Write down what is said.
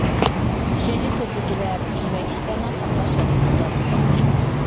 ئۈچىنچى تۈردىكىلەر، يېمەكلىكلەرنىڭ ساقلاش ۋاقتىنى ئۇزارتىدۇ.